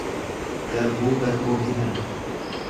Garbuu garbuun hidhan.